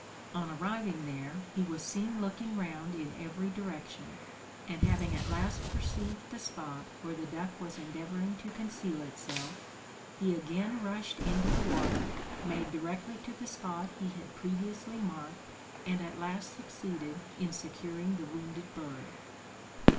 On arriving there, he was seen looking round in every direction; and having at last perceived the spot where the duck was endeavouring to conceal itself, he again rushed into the water, made directly to the spot he had previously marked, and at last succeeded in securing the wounded bird.